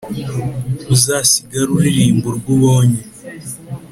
uzasigare uririmba urwo ubonye”